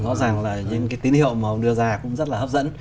rõ ràng là những cái tín hiệu mà ông đưa ra cũng rất là hấp dẫn